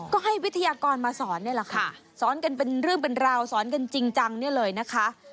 ก็ให้วิทยากรมาสอนนี่แหละค่ะสอนกันเป็นเรื่องเป็นราวสอนกันจริงจังเนี่ยเลยนะคะ